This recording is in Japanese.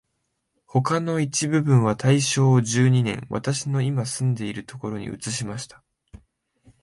他の一部分は大正十二年、私のいま住んでいるところに移しました